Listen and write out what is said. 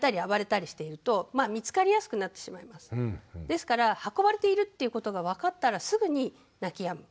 ですから運ばれているということが分かったらすぐに泣きやむ。